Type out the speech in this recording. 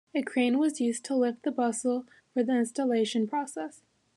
A crane was used to lift the bustle for the installation process.